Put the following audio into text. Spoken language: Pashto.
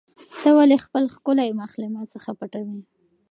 ته ولې خپل ښکلی مخ له ما څخه پټوې؟